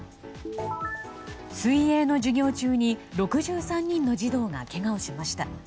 水泳の授業中に６３人の児童がけがをしました。